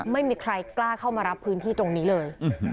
ไม่มีใครกล้าเข้ามารับพื้นที่ตรงนี้เลย